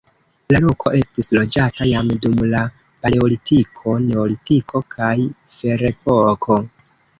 La loko estis loĝata jam dum la paleolitiko, neolitiko kaj ferepoko.